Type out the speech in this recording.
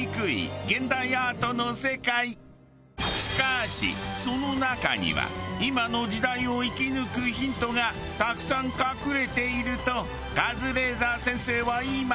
しかしその中には今の時代を生き抜くヒントがたくさん隠れているとカズレーザー先生は言います。